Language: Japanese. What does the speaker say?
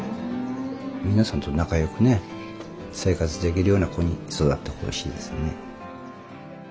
皆さんと仲良くね生活できるような子に育ってほしいですね。